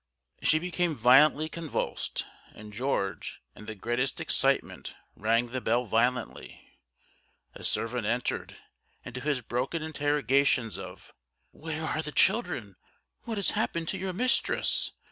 She became violently convulsed, and George, in the greatest excitement, rang the bell violently. A servant entered, and to his broken interrogations of "Where are the children? what has happened to your mistress?